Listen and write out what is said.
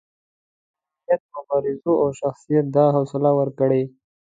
خپل علمیت، مبارزو او شخصیت دا حوصله ورکړې.